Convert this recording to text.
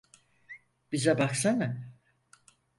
Bize baksana.